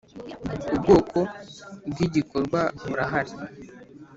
Ubwoko bw’ igikorwa burahari.